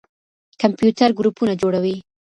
کمپيوټر ګروپونه جوړوي.